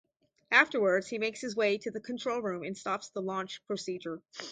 Afterwards he makes his way to the control room and stops the launch procedure.